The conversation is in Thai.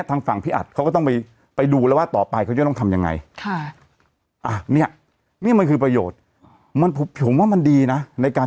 อันนี้เข้าใจได้ว่ามันต้องถอดหน้ากาก